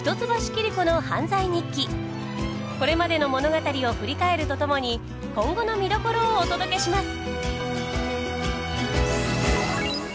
これまでの物語を振り返るとともに今後の見どころをお届けします！